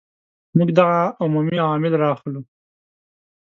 موږ دغه عمومي عوامل را اخلو.